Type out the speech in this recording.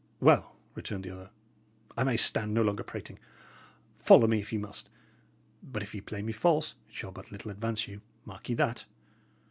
"Well," returned the other, "I may stand no longer prating. Follow me, if ye must; but if ye play me false, it shall but little advance you, mark ye that.